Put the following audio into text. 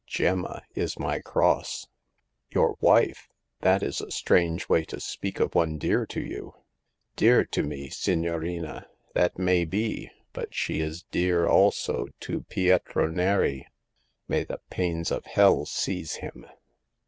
Gemma is my cross." Your wife ! That is a strange way to speak of one dear to you." 114 Hagar of the Pawn Shop. " Dear to me, signorina ! That may be ; but she is dear also to Pietro Neri. May the pains of hell seize him